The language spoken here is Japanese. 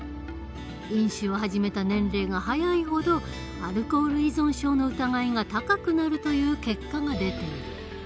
飲酒を始めた年齢が早いほどアルコール依存症の疑いが高くなるという結果が出ている。